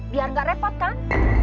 biar gak repot kan